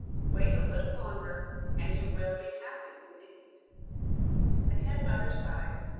Wait a little longer, and you will be happy indeed." The hen mother sighed.